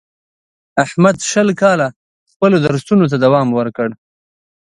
احمد شل کاله خپلو درسونو ته دوام ورکړ.